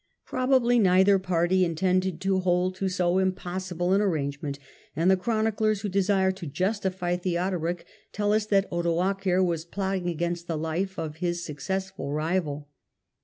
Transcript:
Probably neither party intended to hold to so impossible an arrangement, and the chroniclers who desire to justify Theodoric tell us that Odoacer was plotting against the life of his successful rival.